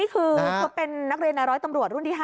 คือเขาเป็นนักเรียนในร้อยตำรวจรุ่นที่๕